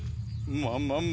ままま